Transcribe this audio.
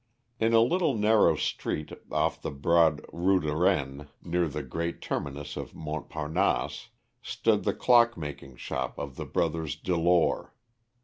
In a little narrow street off the broad Rue de Rennes, near the great terminus of Mont Parnasse, stood the clock making shop of the brothers Delore.